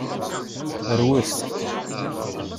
Rwet.